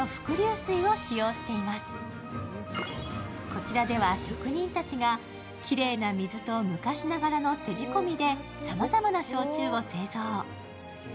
こちらでは職人たちがきれいな水と昔ながらの手仕込みでさまざまな焼酎を製造。